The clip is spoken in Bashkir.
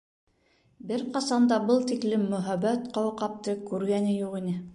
Бер ҡасан да был тиклем мөһабәт ҡауҡабты күргәне юҡ ине!